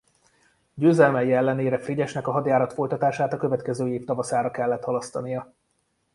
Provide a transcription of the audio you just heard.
Győzelmei ellenére Frigyesnek a hadjárat folytatását a következő év tavaszára kellett halasztania.